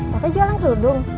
katanya jualan kerudung